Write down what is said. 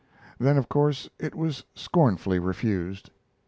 Then, of course, it was scornfully refused.